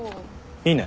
いいね。